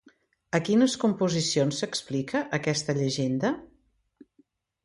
A quines composicions s'explica aquesta llegenda?